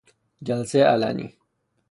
جلسهی علنی